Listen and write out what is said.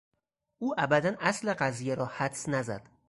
او ابدا اصل قضیه را حدس نزد.